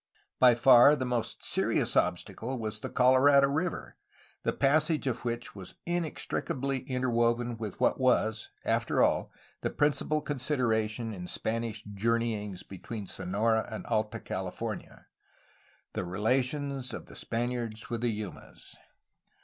By far the most serious obstacle was the Colorado River, the passage of which was inextricably inter woven with what was, after all, the principal consideration in Spanish journeyings between Sonora and Alta California, — the relations of the Spaniards with the Yumas.